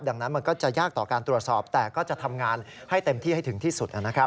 ดังนั้นมันก็จะยากต่อการตรวจสอบแต่ก็จะทำงานให้เต็มที่ให้ถึงที่สุดนะครับ